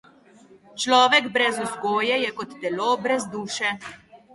Človek brez vzgoje je kot telo brez duše.